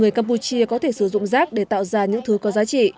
người campuchia có thể sử dụng rác để tạo ra những thứ có giá trị